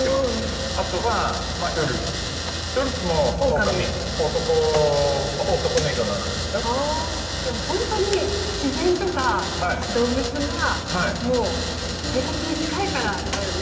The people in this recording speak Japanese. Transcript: あでも本当に自然とか動物がもう生活に近いからだよね。